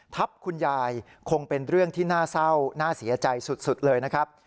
คุณยายคงเป็นเรื่องที่น่าเศร้าน่าเสียใจสุดเลยนะครับ